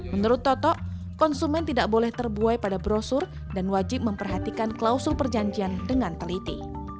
menurut toto konsumen tidak boleh terbuai pada brosur dan wajib memperhatikan klausul perjanjian dengan teliti